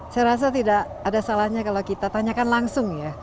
saya rasa tidak ada salahnya kalau kita tanyakan langsung ya